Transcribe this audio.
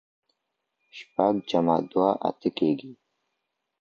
شپږ جمع دوه؛ اته کېږي.